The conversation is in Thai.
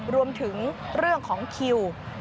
รวมถึงเรื่องของคิว